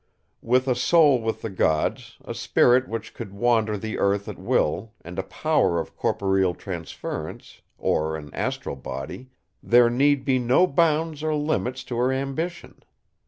With a soul with the Gods, a spirit which could wander the earth at will, and a power of corporeal transference, or an astral body, there need be no bounds or limits to her ambition.